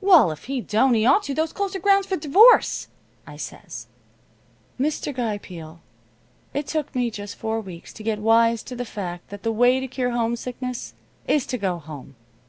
"'Well, if he don't, he ought to. Those clothes are grounds for divorce,' I says. "Mr. Guy Peel, it took me just four weeks to get wise to the fact that the way to cure homesickness is to go home.